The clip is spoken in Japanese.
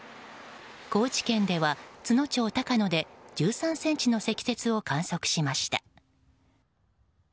高知県では津野町高野で１３ｃｍの積雪を観測しました。